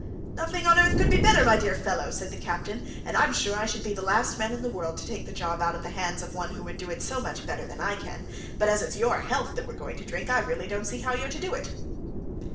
"Nothing on earth could be better, my dear fellow," said the captain, "and I'm sure I should be the last man in the world to take the job out of the hands of one who would do it so much better than I can; but as it's your health that we're going to drink, I really don't see how you are to do it."